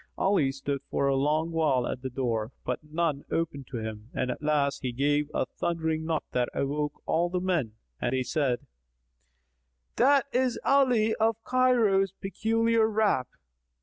Ali stood for a long while at the door, but none opened to him; and at last he gave a thundering knock that awoke all the men and they said, "That is Ali of Cairo's peculiar rap."